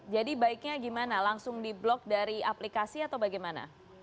jadi baiknya gimana langsung di blok dari aplikasi atau bagaimana